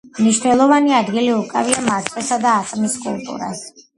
მნიშვნელოვანი ადგილი უკავია მარწყვის და ატმის კულტურას.